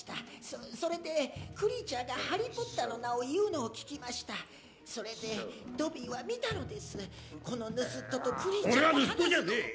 そうそれでクリーチャーがハリー・ポッターの名を言うのを聞きましたそれでドビーは見たのですこのぬすっととクリーチャーが俺はぬすっとじゃねえ！